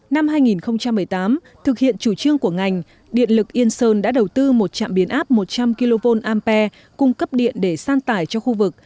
năm hai nghìn một mươi tám thực hiện chủ trương của ngành điện lực yên sơn đã đầu tư một trạm biến áp một trăm linh kv ampe cung cấp điện để san tải cho khu vực